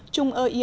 trung ơ yên đưa ra